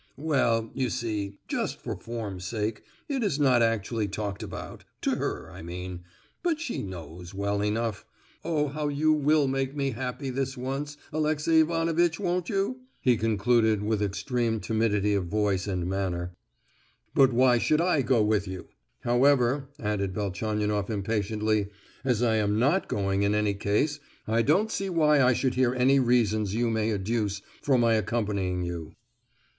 "Well, you see, just for form's sake, it is not actually talked about—to her I mean,—but she knows well enough. Oh! now you will make me happy this once, Alexey Ivanovitch, won't you?" he concluded, with extreme timidity of voice and manner. "But why should I go with you? However," added Velchaninoff impatiently, "as I am not going in any case, I don't see why I should hear any reasons you may adduce for my accompanying you."